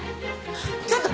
ちょっと！